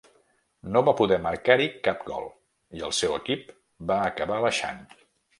No va poder marcar-hi cap gol, i el seu equip va acabar baixant.